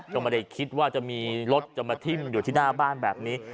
ก็ไม่ได้คิดว่าจะมีรถจะมาทิ้มอยู่ที่หน้าบ้านแบบนี้